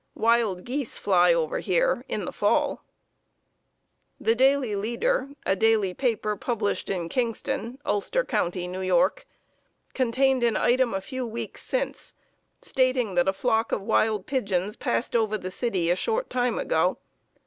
Wild geese fly over here in the fall. The Daily Leader, a daily paper published in Kingston, Ulster County, N. Y., contained an item a few weeks since stating that a flock of wild pigeons passed over the city a short time ago.